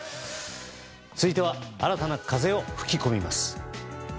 続いては新たな風を吹き込みます。